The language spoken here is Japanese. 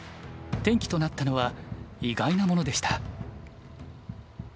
転機となったのは意外なものでした。